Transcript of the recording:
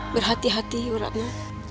berhati hati yuk ratna